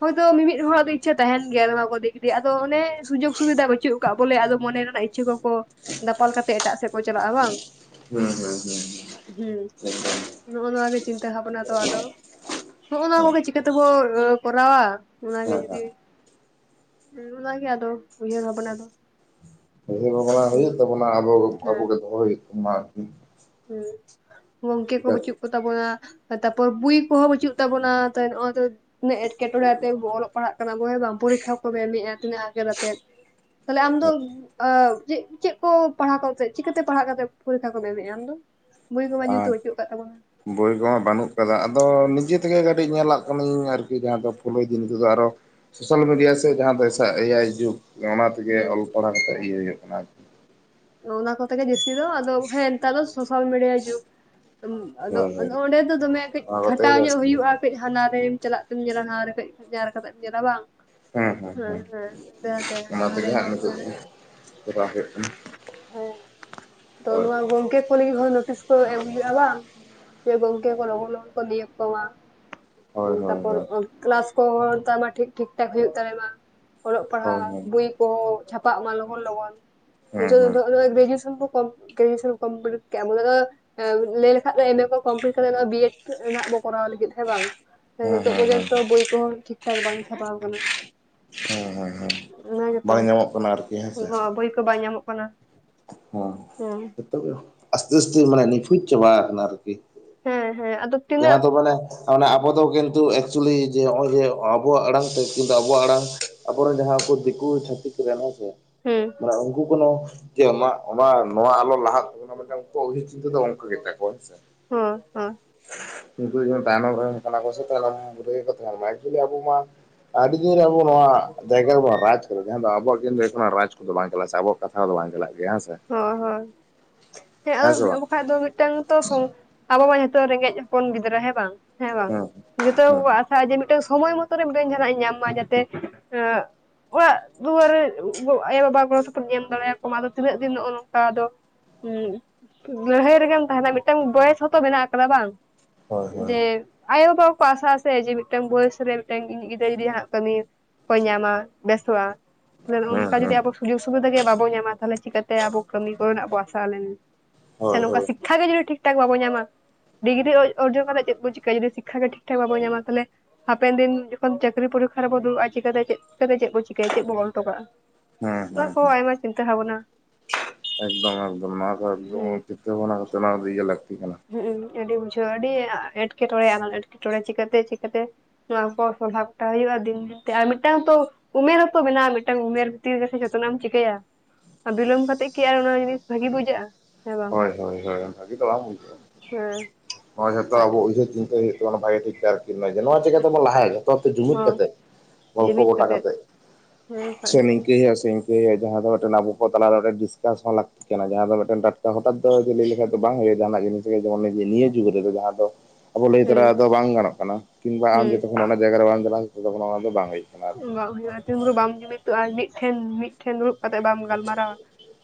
ᱦᱚᱭᱛᱳ ᱢᱤᱢᱤᱫ ᱦᱚᱲᱟᱜ ᱫᱚ ᱤᱪᱪᱷᱟᱹ ᱛᱟᱦᱮᱱ ᱜᱮᱭᱟ ᱚᱱᱟ ᱠᱚ ᱫᱤᱠ ᱫᱤᱭᱮ ᱟᱫᱚ ᱚᱱᱮ ᱥᱩᱡᱳᱜᱽ ᱥᱩᱵᱤᱫᱷᱟ ᱵᱟᱹᱪᱩᱜ ᱠᱟᱜ ᱵᱚᱞᱮ ᱟᱫᱚ ᱢᱚᱱᱮ ᱨᱮᱱᱟᱜ ᱤᱪᱪᱷᱟᱹ ᱠᱚᱠᱚ ᱫᱟᱯᱟᱞ ᱠᱟᱛᱮᱜ ᱮᱴᱟᱜ ᱥᱮᱫ ᱠᱚ ᱪᱟᱞᱟᱜ-ᱟ ᱵᱟᱝ? ᱦᱩᱸ ᱦᱩᱸ ᱦᱩᱸ ᱦᱩᱸ ᱾ ᱦᱩᱸ ᱾ ᱱᱚᱜ-ᱱᱚᱣᱟ ᱜᱮ ᱪᱤᱱᱛᱟᱹ ᱵᱷᱟᱵᱱᱟ ᱫᱚ ᱟᱫᱚ ᱱᱚᱜ-ᱱᱟ ᱠᱚᱜᱮ ᱪᱤᱠᱟᱹ ᱛᱮᱵᱚ ᱠᱚᱨᱟᱣᱟ? ᱚᱱᱟᱜᱮ ᱡᱩᱫᱤ, ᱚᱱᱟᱜᱮ ᱟᱫᱚ ᱩᱦᱟᱹᱨ ᱜᱷᱟᱵᱱᱟ ᱫᱚ ᱾ ᱩᱭᱦᱟᱹᱨ ᱵᱷᱟᱵᱽᱱᱟ ᱦᱩᱭᱩᱜ ᱛᱟᱵᱚᱱᱟ ᱟᱵᱚ ᱟᱵᱚ ᱜᱮ ᱫᱚᱦᱚ ᱦᱩᱭᱩᱜ ᱛᱟᱵᱚᱱᱟ ᱟᱨᱠᱤ ᱾ ᱦᱩ ᱜᱚᱝᱠᱮ ᱠᱚ ᱵᱟᱹᱪᱩᱜ ᱠᱚ ᱛᱟᱵᱚᱱᱟ ᱛᱟᱯᱚᱨ ᱵᱩᱭ ᱠᱚᱦᱚᱸ ᱵᱟᱹᱪᱩᱜ ᱛᱟᱵᱚᱱᱟ ᱛᱚ ᱱᱚᱜ-ᱚᱭ ᱛᱚ ᱛᱤᱱᱟᱹᱜ ᱮᱴᱠᱮᱴᱚᱬᱮ ᱟᱛᱮ ᱵᱚ ᱚᱞᱚᱜ ᱯᱟᱲᱦᱟᱜ ᱠᱟᱱᱟ ᱵᱚᱱ ᱦᱮᱸ ᱵᱟᱝ ᱯᱚᱨᱤᱠᱷᱟ ᱠᱚ ᱮᱢᱮᱜ-ᱟ ᱛᱤᱱᱟᱹᱜ ᱟᱜᱮᱨ ᱟᱛᱮᱜ ᱾ ᱛᱟᱦᱚᱞᱮ ᱟᱢ ᱫᱚ ᱮᱸ ᱪᱮᱫ ᱪᱮᱫ ᱠᱚ ᱯᱟᱲᱦᱟᱣ ᱠᱟᱛᱮᱫ ᱪᱤᱠᱟᱹᱛᱮ ᱯᱟᱲᱦᱟᱜ ᱠᱟᱛᱮ ᱯᱚᱨᱤᱠᱷᱟ ᱠᱚᱢ ᱮᱢᱮᱜ-ᱟ ᱟᱢ ᱫᱚ? ᱵᱳᱭ ᱠᱚᱢᱟ ᱡᱮᱦᱮᱛᱩ ᱟᱨ ᱵᱟᱪᱩᱜ ᱠᱟᱜ ᱛᱟᱵᱚᱱᱟ ᱾ ᱵᱳᱭ ᱠᱚᱢᱟ ᱵᱟᱹᱱᱩᱜ ᱠᱟᱫᱟ ᱟᱫᱚ ᱱᱤᱡᱮ ᱛᱮᱜᱮ ᱠᱟᱹᱴᱤᱡ ᱧᱮᱞᱟᱜ ᱠᱟᱹᱱᱟᱹᱧ ᱟᱨᱠᱤ ᱡᱟᱦᱟᱸ ᱫᱚ ᱯᱷᱩᱞᱳᱭ ᱫᱤᱧ ᱱᱤᱛᱚᱜ ᱫᱚ ᱟᱨᱚ ᱥᱳᱥᱟᱞ ᱢᱤᱰᱤᱭᱟ ᱥᱮ ᱡᱟᱦᱟᱸ ᱫᱚ ᱮᱫ ᱮᱟᱭ ᱡᱩᱜᱽ ᱚᱱᱟ ᱛᱮᱜᱮ ᱦᱮᱸ ᱚᱞ ᱯᱟᱲᱦᱟᱣ ᱠᱟᱛᱮᱫ ᱤᱭᱟᱹ ᱦᱩᱭᱩᱜ ᱠᱟᱱᱟ ᱟᱨᱠᱤ ᱾ ᱚᱱᱟ ᱠᱚᱛᱮ ᱜᱮ ᱡᱟᱹᱥᱛᱤ ᱫᱚ ᱟᱫᱚ ᱦᱮᱸ ᱱᱮᱛᱟᱨ ᱫᱚ ᱥᱳᱥᱟᱞ ᱢᱤᱰᱤᱭᱟ ᱡᱩᱜᱽ ᱾ ᱟᱫᱚ ᱦᱳᱭ ᱦᱳᱭ ᱟᱫᱚ ᱚᱸᱰᱮ ᱫᱚ ᱫᱚᱢᱮ ᱠᱟᱹᱡ ᱚᱱᱟ ᱠᱚᱛᱮ ᱠᱷᱟᱴᱟᱣ ᱜᱮ ᱧᱚᱜ ᱡᱟᱹᱥᱛᱤ ᱫᱚ ᱦᱩᱭᱩᱜ-ᱟ ᱾ ᱠᱟᱹᱡ ᱦᱟᱱᱟ ᱨᱮᱢ ᱪᱟᱞᱟᱜ ᱛᱮᱢ ᱧᱮᱞᱟ ᱱᱚᱣᱟ ᱨᱮ ᱠᱟᱹᱡ ᱡᱟᱨ ᱠᱟᱛᱮᱢ ᱧᱮᱞᱟ ᱵᱟᱝ? ᱦᱮᱸ ᱦᱮᱸ ᱡᱟᱦᱟ ᱚᱱᱟ ᱛᱮᱜᱮ ᱦᱟᱸᱜ ᱛᱮ ᱱᱤᱛᱚᱜ ᱫᱚ (unintelligible) ᱠᱚᱨᱟᱣ ᱦᱩᱭᱩᱜ ᱠᱟᱱᱟ ᱾ ᱛᱚ ᱱᱚᱣᱟ ᱜᱚᱝᱠᱮ ᱚᱠᱚ ᱞᱟᱹᱜᱤᱫ ᱦᱚᱸ ᱱᱳᱴᱤᱥ ᱠᱚ ᱮᱢ ᱦᱩᱭᱩᱜ-ᱟ ᱵᱟᱝ, ᱡᱮ ᱜᱚᱝᱠᱮ ᱠᱚ ᱞᱚᱜᱚᱱ ᱞᱚᱜᱚᱱ ᱠᱚ ᱱᱤᱭᱳᱜᱽ ᱠᱚᱢᱟ ᱾ ᱦᱳᱭ ᱦᱳᱭ ᱛᱟᱯᱚᱨ ᱦᱳᱭ ᱠᱞᱟᱥ ᱠᱚᱦᱚᱸ (unintelligible) ᱴᱷᱤᱠ ᱴᱷᱤᱠ ᱴᱷᱟᱠ ᱦᱩᱭᱩᱜ ᱛᱟᱞᱮ ᱢᱟ ᱾ ᱚᱞᱚᱜ ᱦᱳᱭ ᱦᱳᱭ ᱯᱟᱲᱦᱟᱜ ᱦᱮᱸ ᱵᱳᱭ ᱠᱚᱦᱚᱸ ᱪᱷᱟᱯᱟᱜ ᱢᱟ ᱞᱚᱜᱚᱱ ᱞᱚᱜᱚᱱ, (unintelligible) ᱡᱚᱱ ᱦᱮᱸ ᱱᱚᱜ-ᱚ ᱱᱚᱣᱟ ᱜᱨᱮᱡᱩᱣᱮᱥᱚᱱ ᱠᱚ ᱠᱚᱢᱯᱤ ᱜᱨᱮᱡᱩᱣᱮᱥᱚᱱ ᱠᱚᱢᱯᱞᱤᱴ ᱠᱮᱜ-ᱟ ᱵᱚ ᱟᱫᱚ ᱞᱟᱹᱭ ᱞᱮᱠᱷᱟᱡ ᱫᱚ ᱮᱢ ᱮ ᱠᱚᱢᱯᱞᱤᱴ ᱠᱟᱛᱮᱫ ᱫᱚ ᱵᱤᱭᱮᱰ ᱨᱮᱱᱟᱜ ᱵᱚ ᱠᱚᱨᱟᱣ ᱞᱟᱹᱜᱤᱫ ᱦᱮ ᱵᱟᱝ? ᱦᱮᱸ ᱱᱤᱛᱚᱜ ᱦᱮᱸ ᱦᱮᱸ ᱯᱚᱨᱡᱚᱱᱛᱚ ᱵᱳᱭ ᱠᱚᱦᱚᱸ ᱴᱷᱤᱠ ᱴᱷᱟᱠ ᱵᱟᱝ ᱪᱷᱟᱯᱟᱣ ᱠᱟᱱᱟ ᱦᱮᱸ ᱦᱮᱸ ᱦᱮᱸ ᱾ ᱚᱱᱟ ᱜᱮᱛᱚ ᱵᱟᱝ ᱧᱟᱢᱚᱜ ᱠᱟᱱᱟ ᱟᱨᱠᱤ ᱦᱮᱸᱥᱮ ᱱᱚᱣᱟ ᱵᱳᱭ ᱠᱚ ᱵᱟᱭ ᱧᱟᱢᱚᱜ ᱠᱟᱱᱟ ᱾ ᱦᱮᱸ ᱛᱚᱵᱮ ᱟᱥᱛᱮ ᱟᱥᱛᱮ ᱢᱟᱱᱮ ᱱᱤᱯᱷᱩᱸᱡ ᱪᱟᱵᱟ ᱠᱟᱱᱟ ᱟᱨᱠᱤ ᱾ ᱦᱮᱸ ᱦᱮᱸ ᱟᱫᱚ ᱛᱤᱱᱟᱹᱜ ᱡᱟᱦᱟᱸ ᱫᱚ ᱢᱟᱱᱮ ᱢᱟᱱᱮ ᱟᱵᱚ ᱫᱚ ᱠᱤᱱᱛᱩ ᱮᱠᱪᱩᱭᱮᱞᱤ ᱡᱮ ᱱᱚᱜ-ᱚᱭ ᱡᱮ ᱟᱵᱚᱣᱟᱜ ᱟᱲᱟᱝ ᱥᱮ ᱠᱤᱱᱛᱩ ᱟᱵᱚᱣᱟᱜ ᱟᱲᱟᱝ ᱟᱵᱚᱨᱮᱱ ᱡᱟᱦᱟᱸ ᱩᱱᱠᱩ ᱫᱤᱠᱩ ᱪᱷᱟᱹᱛᱤᱠ ᱦᱮᱸᱥᱮ ᱦᱮᱸ ᱢᱟᱱᱮ ᱩᱱᱠᱩ ᱠᱷᱚᱱ ᱦᱚ ᱡᱮ ᱟᱢᱟᱜ ᱚᱱᱟ ᱱᱚᱣᱟ ᱟᱞᱚ ᱞᱟᱦᱟᱜ ᱛᱟᱵᱚ ᱢᱟ ᱢᱮᱱᱠᱷᱟᱱ ᱩᱱᱠᱩᱣᱟ ᱩᱭᱦᱟᱹᱨ ᱪᱤᱱᱛᱟᱹ ᱫᱚ ᱚᱱᱠᱟ ᱜᱮ ᱛᱟᱠᱚᱣᱟ ᱦᱮᱸᱥᱮ ᱾ ᱦᱩᱸ ᱦᱩᱸ ᱾ ᱩᱱᱠᱩ ᱠᱚ ᱡᱮᱢᱚᱱ ᱛᱟᱭᱱᱚᱢ ᱨᱮᱱ ᱠᱟᱱᱟ ᱠᱚ ᱥᱮ ᱛᱟᱭᱱᱚᱢ ᱨᱮᱜᱮ ᱠᱚ ᱛᱟᱦᱮᱱ ᱢᱟ ᱮᱠᱪᱩᱣᱮᱞᱤ ᱟᱵᱚ ᱢᱟ ᱟᱹᱰᱤ ᱫᱤᱱ ᱨᱮ ᱟᱵᱚ ᱱᱚᱣᱟ ᱡᱟᱭᱜᱟ ᱨᱮᱵᱚ ᱨᱟᱡᱽ ᱠᱚᱨᱮ ᱡᱟᱦᱟᱸ ᱫᱚ ᱟᱵᱚᱣᱟᱜ ᱠᱤᱱ ᱨᱟᱡᱽ ᱠᱚᱫᱚ ᱵᱟᱝ ᱪᱟᱞᱟᱜ ᱥᱮ ᱟᱵᱚᱣᱟᱜ ᱠᱟᱛᱷᱟ ᱫᱚ ᱵᱟᱝ ᱪᱟᱞᱟᱜ ᱜᱮᱭᱟ ᱦᱮᱸ ᱥᱮ ᱾ ᱦᱚᱸ ᱦᱚᱸ, ᱦᱮᱸ ᱟᱫᱚ ᱦᱮᱸ ᱵᱟᱝ ᱵᱟᱠᱷᱟᱡ ᱫᱚ ᱢᱤᱫᱴᱟᱝ ᱛᱚ ᱥᱚᱝ ᱟᱵᱚ ᱢᱟ ᱡᱷᱚᱛᱚ ᱨᱮᱸᱜᱮᱡ ᱦᱚᱯᱚᱱ ᱜᱤᱫᱽᱨᱟᱹ ᱦᱮᱸ ᱵᱟᱝ ᱦᱮᱸ ᱵᱟᱝ, ᱦᱩᱸ ᱡᱚᱛᱚ ᱦᱩᱸ ᱠᱚᱠᱚ ᱟᱥᱟᱜᱼᱟ ᱡᱮ ᱴᱮᱝ ᱥᱚᱢᱚᱭ ᱢᱚᱛᱚᱮ ᱢᱤᱫᱴᱮᱝ ᱡᱟᱦᱟᱱᱟᱜ ᱤᱧ ᱧᱟᱢ ᱢᱟ ᱡᱟᱛᱮ ᱮᱸ ᱚᱲᱟᱜ ᱫᱩᱣᱟᱹᱨ ᱟᱭᱳᱼᱵᱟᱵᱟ ᱜᱚᱲᱚ ᱥᱚᱯᱚᱦᱚᱫ ᱤᱧ ᱮᱢ ᱫᱟᱲᱮᱭᱟᱠᱚ ᱢᱟ, ᱟᱫᱚ ᱛᱤᱱᱟᱹᱜ ᱫᱤᱱ ᱱᱚᱜᱼᱚ ᱱᱚᱝᱠᱟ ᱟᱫᱚ ᱦ ᱞᱟᱹᱲᱦᱟᱹᱭ ᱨᱮᱜᱮᱢ ᱛᱟᱦᱮᱱᱟ ᱢᱤᱫᱴᱟᱝ ᱵᱚᱭᱮᱥ ᱦᱚᱸᱛᱚ ᱢᱮᱱᱟᱜ ᱟᱠᱟᱫᱟ ᱵᱟᱝ᱾ ᱦᱳᱭ ᱦᱳᱭ ᱡᱮ ᱟᱭᱳ-ᱵᱟᱵᱟ ᱠᱚᱠᱚ ᱟᱥᱟᱜ ᱟ ᱥᱮ ᱡᱮ ᱢᱤᱫᱴᱟᱝ ᱵᱚᱭᱮᱥ ᱨᱮ ᱢᱤᱫᱴᱟᱝ ᱤᱧᱤᱡ ᱜᱤᱫᱽᱨᱟᱹ ᱡᱩᱫᱤ ᱡᱟᱦᱟᱱᱟᱜ ᱠᱟᱹᱢᱤ ᱠᱚᱭ ᱧᱟᱢᱟ ᱵᱮᱥᱚᱜᱼᱟ, ᱛᱟᱦᱞᱮ ᱱᱚᱜ-ᱚ ᱦᱩᱸ ᱱᱚᱝᱠᱟ ᱡᱩᱚᱫᱤ ᱦᱩᱸ ᱟᱵᱚ ᱥᱩᱡᱳᱜᱽ ᱥᱩᱵᱤᱫᱷᱟ ᱜᱮ ᱵᱟᱵᱚ ᱧᱟᱢᱟ ᱛᱟᱦᱟᱞᱮ ᱪᱤᱠᱟᱹᱛᱮ ᱟᱵᱚ ᱠᱟᱹᱢᱤ ᱠᱚᱨᱮᱱᱟᱜ ᱵᱚ ᱟᱥᱟ ᱞᱮᱱᱟ, ᱥᱮ ᱦᱳᱭ ᱱᱚᱝᱠᱟ ᱦᱳᱭ ᱥᱤᱠᱠᱷᱟ ᱜᱮ ᱡᱩᱫᱤ ᱴᱷᱤᱠ ᱴᱷᱟᱠ ᱵᱟᱵᱚ ᱧᱟᱢᱟ ᱰᱤᱜᱨᱤ ᱚᱨ-ᱚᱨᱡᱚᱱ ᱠᱟᱛᱮᱫ ᱪᱮᱫ ᱵᱚ ᱪᱤᱠᱟᱭ ᱡᱩᱫᱤ ᱥᱤᱠᱠᱷᱟ ᱜᱮ ᱴᱷᱤᱠ ᱴᱷᱟᱠ ᱵᱟᱵᱚᱱ ᱧᱟᱢᱟ ᱛᱟᱦᱚᱞᱮ ᱦᱟᱯᱮᱱ ᱫᱤᱱ ᱡᱚᱠᱷᱚᱱ ᱪᱟᱹᱠᱨᱤ ᱯᱚᱨᱤᱠᱠᱷᱟ ᱨᱮᱵᱚ ᱫᱩᱲᱩᱵᱼᱟ ᱪᱤᱠᱟᱛᱮ ᱪᱮᱫ ᱛᱮ ᱫᱮ ᱪᱮᱫ ᱵᱚ ᱪᱤᱠᱟᱹᱭᱟ ᱪᱮᱫ ᱵᱚᱱ ᱚᱞ ᱦᱚᱴᱚ ᱠᱟᱜᱼᱟ, ᱦᱩᱸ ᱚᱱᱟ ᱦᱩᱸ ᱠᱚ ᱦᱩᱸ ᱟᱭᱢᱟ ᱪᱤᱱᱛᱟᱹ ᱵᱷᱟᱵᱱᱟ ᱮᱠᱫᱚᱢ ᱮᱠᱫᱚᱢ, ᱱᱚᱣᱟ ᱫᱚ ᱮᱠᱫᱚᱢ ᱦᱩᱸ ᱪᱤᱱᱛᱟᱹ ᱵᱷᱟᱵᱱᱟ ᱠᱟᱛᱮ ᱚᱱᱟ ᱠᱚᱫᱚ ᱤᱭᱟᱹ ᱞᱟᱹᱠᱛᱤ ᱠᱟᱱᱟ᱾ ᱦᱩᱸᱜ-ᱩᱸ ᱟᱹᱰᱤ ᱵᱩᱡᱷᱟᱹᱣᱟ ᱟᱹᱰᱤ ᱮᱴᱠᱮᱴᱚᱬᱮ ᱟᱱᱟᱴ ᱮᱴᱠᱮᱴᱚᱬᱮ ᱪᱤᱠᱟᱛᱮ ᱪᱤᱠᱟᱹᱛᱮ ᱱᱚᱣᱟ ᱠᱚ ᱥᱚᱵᱷᱟᱜᱴᱟ ᱦᱩᱭᱩᱜᱼᱟ ᱫᱤᱱ ᱫᱤᱱᱛᱮ ᱟᱨ ᱢᱤᱫᱴᱟᱝ ᱦᱚᱛᱚ ᱩᱢᱮᱨ ᱦᱚᱸᱛᱚ ᱢᱮᱱᱟᱜᱼᱟ, ᱢᱤᱫᱴᱟᱝ ᱩᱢᱮᱨ ᱵᱷᱤᱛᱤᱨ ᱨᱤᱜᱤ ᱥᱮ ᱡᱚᱛᱚᱱᱟᱜ ᱮᱢ ᱪᱤᱠᱟᱹᱭᱟ᱾ ᱵᱤᱞᱚᱢ ᱠᱟᱛᱮᱜ ᱠᱤ ᱟᱨ ᱚᱱᱟ ᱡᱤᱱᱤᱥ ᱵᱷᱟᱜᱤ ᱵᱩᱡᱷᱟᱹᱜᱼᱟ ᱦᱮᱸ ᱵᱟᱝ ᱦᱳᱭ ᱦᱳᱭ ᱵᱷᱟᱹᱜᱤ ᱫᱚ ᱵᱟᱝ ᱵᱩ ᱦᱮᱸ ᱾ ᱱᱚᱣᱟ ᱡᱦᱚᱛᱚ ᱟᱵᱚ ᱩᱭᱷᱟᱹᱨ ᱪᱤᱱᱛᱟᱹ ᱦᱩᱭᱩᱜ ᱛᱟᱵᱚᱱᱟ ᱵᱷᱟᱜᱮ ᱴᱦᱤᱠ᱾ ᱛᱮ ᱟᱨᱤ, ᱱᱚᱣᱟ ᱪᱤᱠᱟᱹᱛᱮᱵᱚᱱ ᱞᱟᱦᱟᱭᱟ ᱡᱷᱚᱛᱚ ᱦᱚᱲᱛᱮ ᱡᱩᱢᱤᱫ ᱦᱚᱸ ᱠᱟᱛᱮᱜ ᱜᱚᱞᱯᱚ ᱡᱩᱢᱤᱫ ᱜᱚᱴᱟ ᱠᱟᱛᱮᱜ ᱠᱟᱛᱮᱫ ᱦᱮᱸ (inaudible) ᱥᱮ ᱱᱤᱝᱠᱟᱹ ᱦᱩᱭᱩᱜᱼᱟ ᱥᱮ ᱤᱝᱠᱟᱹ ᱦᱩᱭᱩᱜ-ᱟ ᱡᱟᱦᱟᱸ ᱫᱚ ᱢᱤᱫᱴᱮᱱ ᱟᱵᱚ ᱠᱚ ᱛᱟᱞᱟᱨᱮ ᱢᱤᱫᱴᱮᱱ ᱰᱤᱥᱠᱟᱥ ᱦᱚᱸ ᱞᱟᱹᱠ ᱛᱤᱜ ᱠᱟᱱᱟ, ᱡᱟᱦᱟᱸ ᱫᱚ ᱢᱤᱫᱴᱮᱱ ᱴᱟᱴᱠᱟ ᱦᱚᱴᱟᱛ ᱫᱚ ᱡᱮ ᱞᱟᱹᱭ ᱞᱮᱠᱷᱟᱡ ᱫᱚ ᱵᱟᱝ ᱦᱩᱭᱩᱜᱼᱟ ᱡᱟᱦᱟᱱᱟᱜ ᱡᱤᱱᱤᱥ ᱜᱮ ᱡᱮᱢᱚᱱ ᱱᱤᱭᱟᱹ ᱜᱤᱫᱽᱨᱟᱹ ᱫᱚ ᱡᱟᱦᱟᱸ ᱫᱚ, ᱟᱵᱚ ᱞᱟᱹᱭ ᱛᱚᱨᱟ ᱦᱩᱸ ᱫᱚ ᱵᱟᱝ ᱜᱟᱱᱚᱜ ᱠᱟᱱᱟ, ᱠᱤᱵᱟ ᱟᱢ ᱡᱚᱛᱚ ᱦᱩᱸ ᱚᱱᱟ ᱡᱟᱭᱜᱟ ᱨᱮ ᱵᱟᱝ ᱪᱟᱞᱟᱜᱼᱟ ᱛᱚᱛᱚᱠᱷᱚᱱ ᱚᱱᱟ ᱫᱚ ᱵᱟᱝ ᱦᱩᱭᱩᱜᱮᱡ ᱠᱟᱱᱟ᱾ ᱟᱨᱠᱤ ᱟᱜ (inaudible) ᱦᱩᱭᱩᱜᱼᱟ ᱛᱤᱱᱵᱦᱩᱨᱩ ᱵᱟᱢ ᱡᱩᱢᱤᱛᱚᱜᱼᱟ ᱢᱤᱫ ᱴᱷᱮᱱ ᱢᱤᱫ ᱴᱷᱮᱱ ᱫᱩᱲᱵ ᱠᱟᱛᱮᱜ ᱵᱟᱢ ᱜᱟᱞᱢᱟᱨᱟᱣᱟ᱾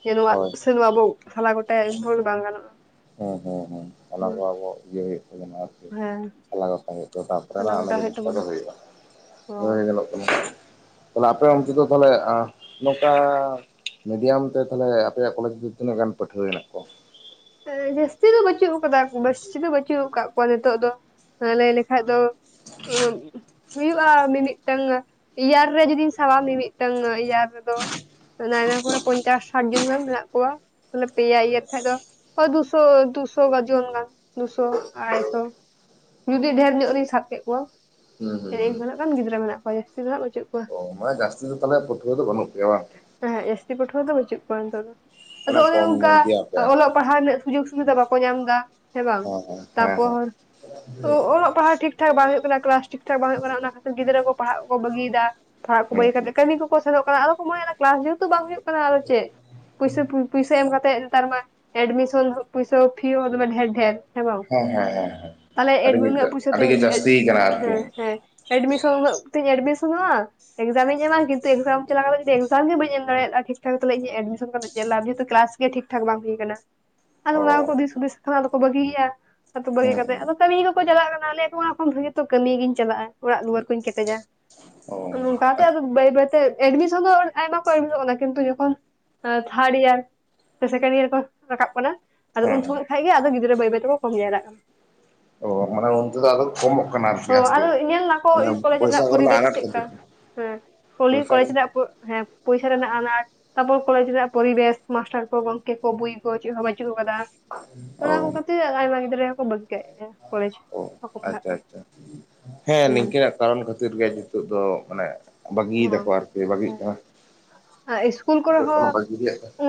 ᱡᱮ ᱱᱚᱣᱟ ᱦᱳᱭ ᱥᱮ ᱱᱚᱣᱟ ᱵᱚ ᱥᱟᱞᱟ ᱜᱚᱴᱟᱭᱟ ᱮᱱᱵᱦᱳᱨ ᱵᱟᱝ ᱜᱟᱱᱚᱜᱼᱟ᱾ ᱦᱮᱸ ᱦᱮᱸ ᱦᱮᱸ, ᱚᱱᱟ ᱠᱚ ᱦᱮᱸ ᱟᱵᱚ ᱤᱭᱟᱹ ᱦᱩᱭᱩᱜ ᱛᱟᱵᱚᱱᱟ᱾ ᱦᱮᱸ ᱥᱟᱞᱟᱜᱚᱴᱟ ᱦᱩᱭᱩᱜ-ᱟ ᱛᱟᱨᱯᱚᱨᱮ ᱥᱟᱞᱟ ᱜᱚᱴᱟ ᱚᱱᱟ ᱦᱩᱭᱩᱜ ᱡᱤᱱᱤᱥᱴᱟ ᱫᱚ ᱛᱟᱵᱚᱱᱟ ᱦᱩᱭᱩᱜᱼᱟ᱾ ᱜᱚᱜ (inaudible) (unintelligible) ᱛᱟᱦᱚᱞᱮ ᱟᱯᱮ ᱚᱱᱛᱮ ᱫᱚ ᱛᱟᱦᱚᱞᱮ ᱟᱸ ᱱᱚᱝᱠᱟ ᱢᱤᱰᱤᱭᱟᱢ ᱛᱮ ᱛᱟᱦᱞᱮ ᱟᱯᱮᱭᱟᱜ ᱠᱚᱞᱮᱡᱽ ᱫᱚ (inaudible) ᱛᱤᱱᱟᱹᱜ ᱜᱟᱱ ᱯᱟᱹᱴᱷᱩᱣᱟᱹ ᱦᱮᱱᱟᱜ ᱠᱚᱣᱟ? ᱡᱟᱹᱥᱛᱤ ᱫᱚ ᱵᱟᱹᱪᱩᱜ ᱟᱠᱟᱫᱟ, ᱵᱟᱹᱥᱪᱤ ᱫᱚ ᱵᱟᱹᱪᱩᱜ ᱟᱠᱟᱜ ᱠᱚᱣᱟ ᱱᱤᱛᱚᱜ ᱫᱚ᱾ ᱞᱟᱹᱭ ᱞᱮᱠᱷᱟᱱᱡ ᱫᱚ ᱮᱸ ᱦᱩᱭᱩᱜᱼᱟ ᱢᱤ-ᱢᱤᱫᱴᱟᱝ ᱤᱭᱟᱨ ᱨᱮ ᱡᱩᱫᱤᱧ ᱥᱟᱵᱟ ᱢᱤ-ᱢᱤᱫᱴᱟᱝ ᱤᱭᱟᱨ ᱨᱮᱫᱚ ᱱᱟᱭ ᱱᱟᱭ ᱠᱚᱨᱮ ᱯᱚᱧᱪᱟᱥ ᱥᱟᱴ ᱡᱚᱱ ᱜᱟᱱ ᱢᱮᱱᱟᱜ ᱠᱚᱣᱟ᱾ ᱢᱟᱱᱮ ᱯᱮᱭᱟ ᱤᱭᱟᱨ ᱠᱷᱟᱡ ᱫᱚ ᱦᱳᱭ ᱫᱩᱥᱚ ᱫᱩᱥᱚ ᱜᱟ ᱡᱚᱱ ᱜᱟᱱ ᱫᱩᱥᱚ ᱟᱰᱟᱭ ᱥᱚ ᱾ ᱡᱩᱫᱤ ᱰᱷᱮᱨ ᱧᱚᱜ ᱨᱤᱧ ᱥᱟᱵ ᱠᱮᱫ ᱠᱚᱣᱟ, ᱦᱩᱸ ᱦᱩᱸ ᱦᱮᱧ ᱦᱩᱸ (inaudible) ᱜᱟᱱ ᱜᱤᱫᱽᱨᱟᱹ ᱢᱮᱱᱟᱜ ᱠᱚᱣᱟ ᱡᱟᱹᱥᱛᱤ ᱫᱚ ᱦᱟᱸᱜ ᱵᱟᱹᱪᱩᱜ ᱠᱚᱣᱟ᱾ ᱚ ᱢᱟᱱᱮ ᱡᱟᱹᱥᱛᱤ ᱫᱚ ᱛᱟᱦᱚᱞᱮ ᱯᱟᱹᱴᱷᱩᱣᱟᱹ ᱫᱚ ᱵᱟᱹᱱᱩᱜ ᱯᱮᱭᱟ ᱵᱟᱝ? ᱮᱸᱦᱮᱸᱜ ᱡᱟᱹᱥᱛᱤ ᱯᱟᱹᱷᱣᱟᱹ ᱫᱚ ᱵᱟᱹᱪᱩᱜ ᱠᱚᱣᱟ ᱱᱤᱛᱚᱜ ᱫᱚ, ᱟᱫᱚ ᱢᱟᱱᱮ ᱚᱱᱮ ᱠᱚᱢ ᱱᱚᱚᱱᱠᱟ ᱜᱮᱭᱟᱯᱮ ᱟᱨᱠᱤ ᱚ-ᱚᱞᱚᱜ ᱦᱟᱸᱥ ᱩᱱᱟᱹᱜ ᱥᱩᱡᱳᱜ ᱥᱩᱵᱤᱫᱷᱟ ᱵᱟᱠᱚ ᱧᱟᱢ ᱮᱟ ᱦᱮᱸ ᱵᱟᱝ ᱦᱮᱸ ᱦᱮᱸ ᱛᱟᱯᱚᱨ ᱛᱚ ᱚᱞᱚᱜ ᱯᱟᱲᱦᱟᱜ ᱴᱷᱤᱠ ᱴᱷᱤᱠ ᱴᱷᱟᱠ ᱵᱟᱝ ᱦᱩᱭᱩᱜ ᱠᱟᱱᱟ ᱠᱞᱟᱥ ᱴᱷᱤᱠ ᱴᱷᱟᱠ ᱵᱟᱝ ᱴᱷᱤᱠ ᱴᱷᱤᱠ ᱴᱷᱟᱠ ᱵᱟᱝ ᱦᱩᱭᱩᱜ ᱠᱟᱱᱟ ᱠᱞᱠᱟᱥ ᱴᱷᱤᱠᱴᱷᱟᱠ ᱵᱟᱝ ᱦᱳᱭᱳᱜ ᱠᱟᱱᱟ ᱚᱱᱟ ᱠᱷᱟᱹ ᱛᱤᱨᱜᱤᱫᱽᱨᱟᱹ ᱠᱚ ᱯᱟᱲᱦᱟᱜ ᱠᱚ ᱵᱟᱹᱜᱤᱭᱫᱟ ᱯᱟᱲᱦᱟᱜ ᱠᱚ ᱦᱮᱸ ᱵᱟᱹᱜᱤ ᱠᱟᱛᱮ ᱦᱩᱸ ᱠᱟᱹᱢᱤ ᱠᱚ ᱠᱚ ᱥᱮᱱᱚᱜ ᱠᱟᱱᱟ ᱟᱫᱚ ᱠᱚ ᱢᱚᱱᱮᱫᱫᱟ ᱠᱞᱟᱥ ᱡᱮᱦᱮᱛᱩ ᱵᱟᱝ ᱦᱩᱭᱩᱜ ᱠᱟᱱᱟ ᱟᱫᱚ ᱪᱮᱫ ᱯᱩᱭᱥᱟᱹ ᱯᱩ ᱯᱩᱭᱥᱟᱹ ᱮᱢ ᱠᱟᱛᱮᱫ ᱱᱮᱛᱟᱨ ᱢᱟ ᱮᱰᱢᱤᱥᱚᱱ ᱯᱚᱭᱥᱟᱹ ᱦᱚᱸ ᱯᱷᱤ ᱦᱚᱸ ᱫᱚᱢᱮ ᱰᱷᱮᱨ ᱰᱷᱮᱨ ᱦᱮᱸ ᱵᱟᱝ ᱦᱩᱸ ᱦᱮᱸ ᱦᱮᱸ ᱛᱟᱦᱞᱮ ᱮᱰᱢᱤ ᱟᱹᱰᱤᱜᱮ ᱱᱩᱱᱟᱹᱜ ᱯᱩᱭᱥᱟᱹ ᱛᱮᱧ ᱟᱹᱰᱤᱜᱮ ᱮᱜ ᱡᱟᱹᱥᱛᱤ ᱠᱟᱱᱟ ᱟᱨᱠᱤ ᱦᱮᱸ ᱦᱮᱸ ᱮᱰᱢᱤᱥᱚᱱ ᱩᱱᱟᱹᱜ ᱛᱤᱧ ᱮᱰᱢᱤᱥᱚᱱᱚᱜ-ᱟ᱾ ᱮᱠᱡᱟᱢᱤᱧ ᱮᱢᱟ ᱠᱤᱱᱛᱩ ᱮᱠᱟᱢ ᱪᱟᱞᱟᱣ ᱠᱟᱛᱮ ᱮᱠᱡᱟᱢ ᱜᱮ ᱵᱟᱹᱧ ᱮᱢ ᱫᱟᱲᱮᱭᱟᱜ-ᱟ, ᱴᱷᱤᱠ ᱴᱷᱟᱠ ᱛᱟᱦᱞᱮ ᱤᱧ ᱮᱰᱤᱥᱚᱱ ᱠᱟᱛᱮ ᱪᱮᱫ ᱞᱟᱵᱷ ᱡᱮᱦᱮᱛᱩ ᱠᱞᱟᱥ ᱜᱮ ᱴᱷᱤᱠ ᱴᱷᱟᱠ ᱵᱟᱝ ᱦᱩᱭ ᱟᱠᱟᱱᱟ᱾ ᱟᱫᱚ ᱚ ᱚᱱᱟ ᱠᱚ ᱫᱤᱥ ᱦᱩᱫᱤᱥ ᱠᱷᱚᱱᱟ ᱫᱚᱠᱚ ᱵᱟᱹᱜᱤᱭ ᱮᱜ-ᱟ᱾ ᱟᱛᱳ ᱵᱟ. ᱜᱤ ᱦᱩᱸ ᱠᱟᱛᱮ ᱟᱫᱚ ᱠᱟᱢᱤ ᱜᱮᱠᱚ ᱪᱟᱞᱟᱜ ᱠᱟᱱᱟ ᱟᱞᱮ ᱚᱱᱟ ᱠᱷᱚᱱ ᱵᱷᱟᱜᱤ ᱛᱚ ᱠᱟᱹᱢᱤ ᱜᱤᱧ ᱪᱟᱞᱟᱜ-ᱟ ᱚᱲᱟᱜ ᱫᱩᱣᱟᱹᱨ ᱠᱚᱧ ᱠᱮᱴᱮᱡᱟ᱾ ᱦᱩᱸ ᱚ ᱱᱚᱝᱠᱟᱛᱮ ᱟᱪ- ᱟᱫᱚ ᱵᱟᱹᱭ ᱵᱟᱹᱭᱛᱮ ᱮᱰᱢᱤᱥᱚᱱ ᱫᱚ ᱟᱭᱢᱟ ᱠᱚ ᱮᱰᱢᱤᱥᱚᱜ ᱠᱟᱱᱟ ᱠᱤᱱᱛᱩ ᱡᱚᱠᱷᱚᱱ ᱛᱷᱟᱨᱰ ᱤᱭᱟᱨ ᱥᱮ ᱥᱮᱠᱮᱱᱰ ᱤᱭᱟᱨ ᱠᱚ ᱨᱟᱠᱟᱵ ᱠᱟᱱᱟ ᱟᱫᱚ ᱦᱮᱸ ᱩᱱ ᱦᱮᱸ ᱥᱚᱢᱚᱭ ᱠᱷᱟᱡ ᱜᱮ ᱟᱫᱚ ᱜᱤᱫᱽᱨᱟᱹ ᱵᱟᱹᱭ ᱵᱟᱹᱭ ᱛᱮᱠᱚ ᱠᱚᱢ ᱡᱟᱣᱨᱟᱜ ᱠᱟᱱᱟ ᱾ ᱚ (inaudible) ᱚᱱᱛᱮ ᱫᱚ ᱟᱫᱚ ᱠᱚᱢᱚᱜ ᱠᱟᱱᱟ ᱟᱨᱠᱤ ᱦᱳ ᱟᱥᱛᱮ ᱟᱫᱚ ᱤᱧᱟᱹᱜ ᱵᱟᱠᱚ ᱚᱱᱟ ᱤᱧ ᱠᱚᱞᱮᱡᱽ ᱯᱚᱭᱥᱟ ᱨᱮᱱᱟᱜ ᱠᱚᱨᱮᱱᱟᱜ ᱯᱚᱨᱤᱵᱮᱥ ᱟᱱᱟᱴ ᱪᱮᱫ ᱠᱟ ᱠᱷᱟᱹᱛᱤᱨ ᱦᱮᱸ᱾ ᱠᱚᱞᱤ ᱯᱚᱭᱥᱟ ᱠᱚ ᱠᱚᱞᱮᱡᱽ ᱨᱮᱭᱟᱜ ᱦᱮᱸ ᱯᱚᱭᱥᱟ ᱨᱮᱱᱟᱜ ᱟᱱᱟᱴ, ᱛᱟᱨᱯᱚᱨ ᱠᱚᱞᱮᱡᱽ ᱨᱮᱭᱟᱜ ᱯᱚᱨᱤᱵᱮᱥ ᱢᱟᱥᱴᱟᱨ ᱠᱚ ᱜᱚᱝᱠᱮ ᱠᱚ ᱵᱳᱭ ᱠᱚ ᱪᱮᱫ ᱦᱚᱸ ᱵᱟᱭ ᱪᱩᱜ ᱠᱟᱫᱟ, ᱚ ᱚᱱᱟ ᱠᱚ ᱠᱷᱟᱹᱛᱤᱨ ᱟᱭᱢᱟ ᱜᱤᱫᱽᱨᱟᱹ ᱦᱚᱸᱠᱚ ᱵᱟᱹᱜᱤ ᱠᱮᱜ ᱜᱮᱭᱟ ᱠᱚᱞᱮᱡᱽ ᱚ ᱵᱟᱠᱚ ᱯᱟᱲᱦᱟᱜ ᱟᱪᱪᱷᱟ ᱠᱟᱱᱟ᱾ ᱟᱪᱪᱷᱟ ᱦᱮᱸ ᱦᱩᱸ ᱱᱤᱝᱠᱟᱹ ᱱᱟᱜ ᱠᱟᱨᱚᱱ ᱠᱷᱟᱹᱛᱤᱨ ᱜᱮ ᱱᱤᱛᱚᱜ ᱫᱚ ᱢᱟᱱᱮ ᱵᱟᱹᱜᱤᱭ ᱦᱚᱸ ᱫᱟᱠᱚ ᱟᱨᱠᱤ ᱵᱟᱹᱜᱤᱜ ᱤᱥᱠᱩᱞ ᱠᱚᱨᱮ ᱠᱟᱱᱟ᱾ᱠᱚᱢᱚᱜ ᱦᱚᱸ ᱵᱟᱜᱤ ᱨᱮᱭᱟᱜ